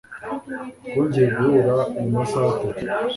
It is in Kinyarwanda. Twongeye guhura mumasaha atatu.